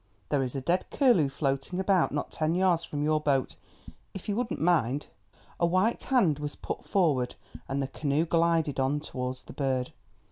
There is a dead curlew floating about, not ten yards from your boat. If you wouldn't mind——" A white hand was put forward, and the canoe glided on towards the bird.